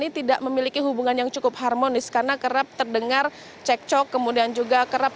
ini tidak memiliki hubungan yang cukup harmonis karena kerap terdengar cekcok kemudian juga kerap